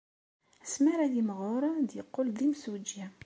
Asmi ara yimɣur, ad yeqqel d imsujji.